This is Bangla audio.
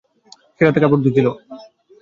সে রাতে কাপড় ধুচ্ছিল।